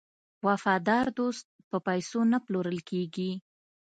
وفادار دوست په پیسو نه پلورل کیږي.